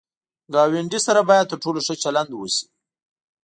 ګاونډي سره باید تر ټولو ښه چلند وشي